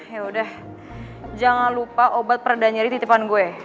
yaudah jangan lupa obat peredanyeri titipan gue